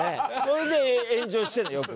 それで炎上してるのよく。